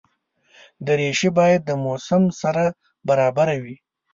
دریشي باید د موسم سره برابره وي.